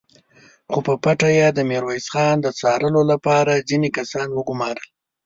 خو په پټه يې د ميرويس خان د څارلو له پاره ځينې کسان وګومارل!